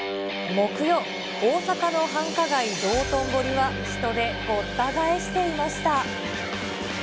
木曜、大阪の繁華街、道頓堀は人でごった返していました。